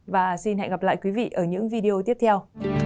và xin hẹn gặp lại quý vị ở những video tiếp theo